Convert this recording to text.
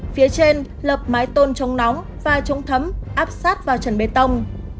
phía trên lập mái tôn chống nóng và chống thấm áp sát vào trần bê tông